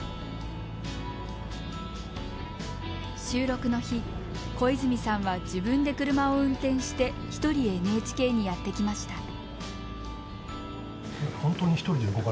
収録の日小泉さんは自分で車を運転してひとりＮＨＫにやって来ました。